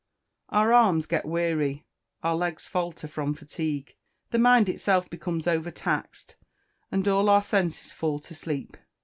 Our arms get weary, our legs falter from fatigue, the mind itself becomes overtaxed, and all our senses fall to sleep.